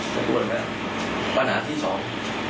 สมมุติว่าปัญหาที่สอง